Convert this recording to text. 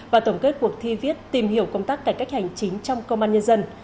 và tổng kết cuộc thi viết tìm hiểu công tác cải cách hành chính trong công an nhân dân